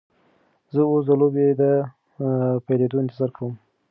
زه اوس د لوبې د پیلیدو انتظار کوم.